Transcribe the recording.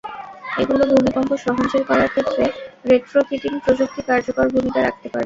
এগুলো ভূমিকম্প সহনশীল করার ক্ষেত্রে রেট্রোফিটিং প্রযুক্তি কার্যকর ভূমিকা রাখতে পারবে।